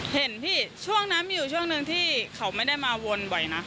เห็นพี่ช่วงนั้นมีอยู่ช่วงหนึ่งที่เขาไม่ได้มาวนบ่อยนะ